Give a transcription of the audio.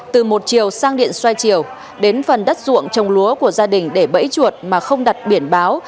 từ một chiều sang điện xoay chiều đến phần đất ruộng trồng lúa của gia đình để bẫy chuột mà không đặt biển báo